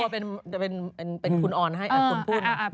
พี่ม้าบ้างทีจะตั้งตัวเป็นคุณอ่อนมาให้อันนับ